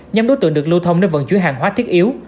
nhóm đối tượng được lưu thông để vận chuyển hàng hóa thiết yếu